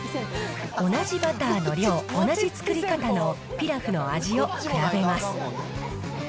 同じバターの量、同じ作り方のピラフの味を比べます。